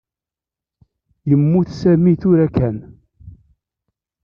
Yemmut Sami tura kan.